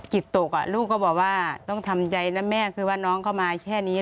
จิตตกลูกก็บอกว่าต้องทำใจนะแม่คือว่าน้องเข้ามาแค่นี้